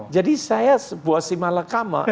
jadi saya buasimah lekama